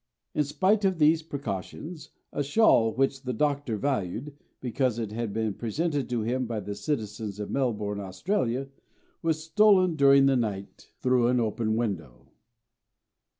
In spite of these precautions a shawl which the Doctor valued, because it had been presented to him by the citizens of Melbourne, Australia, was stolen during the night through an open window.